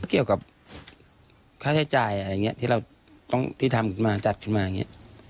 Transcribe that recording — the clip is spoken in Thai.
เกี่ยวกับค่าใช้จ่ายอะไรอย่างนี้ที่เราต้องที่ทำขึ้นมาจัดขึ้นมาอย่างนี้